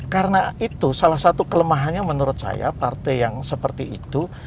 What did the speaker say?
karena itu salah satu kelemahannya menurut saya partai yang seperti itu